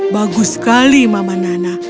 bagus sekali mama nana